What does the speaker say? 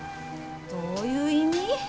どういう意味？